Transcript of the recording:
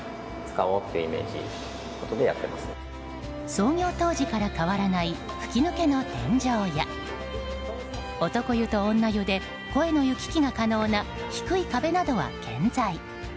創業当時から変わらない吹き抜けの天井や男湯と女湯で声の行き来が可能な低い壁などは健在。